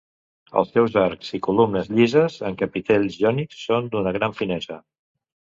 Els seus arcs i columnes llises amb capitells jònics són d'una gran finesa.